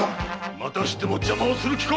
またしても邪魔をする気か！